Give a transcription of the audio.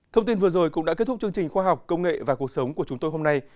thông tin vừa rồi cũng đã kết thúc chương trình khoa học công nghệ và cuộc sống của chúng tôi hôm nay